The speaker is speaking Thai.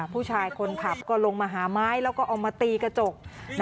ผู้ชายคนขับก็ลงมาหาไม้แล้วก็เอามาตีกระจก